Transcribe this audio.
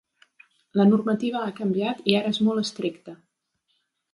La normativa ha canviat i ara és molt estricta.